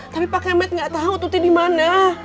tapi pak kemet gak tau tuti dimana